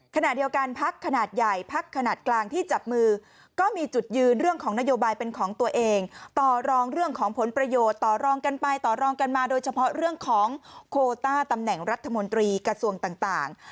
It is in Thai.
ขณะเดียวกันพักขนาดใหญ่พักขนาดกลางที่จับมือก็มีจุดยืนเรื่องของนโยบายเป็นของตัวเองต่อรองเรื่องของผลประโยชน์ต่อรองกันไปต่อรองกันมาโดยเฉพาะเรื่องของโคต้าตำแหน่งรัฐมนตรีกระทรวงต่าง